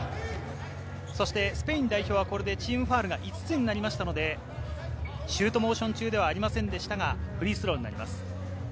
そして、スペイン代表はチームファウルが５つになりましたので、シュートモーション中ではありませんでしたが、フリースローになります。